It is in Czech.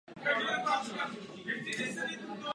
Cestovní ruch musí být lépe podporován informačními kampaněmi.